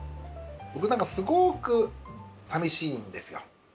僕何かすごくさみしいんですよ。